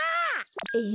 えっ？